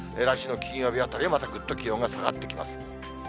来週の金曜日あたりはまたぐっと気温が下がってきます。